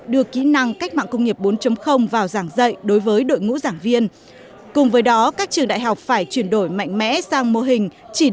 để nâng cao chất lượng các trường đại học phải chuyển đổi mạnh mẽ sang mô hình